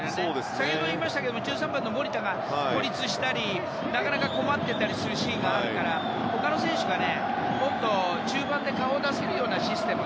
先ほども言いましたが１３番の守田が孤立したりなかなか困っているシーンがあるから他の選手がもっと中盤に顔を出せるシステム